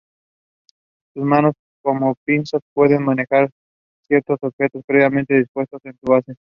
Sus manos, como pinzas, pueden manejar ciertos objetos previamente dispuestos en su base.